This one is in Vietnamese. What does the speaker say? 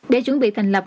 để chuẩn bị thành lập